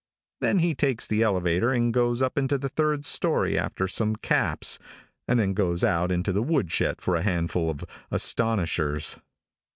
Then he takes the elevator and goes up into the third story after some caps, and then goes out into the woodshed for a handful of astonishers.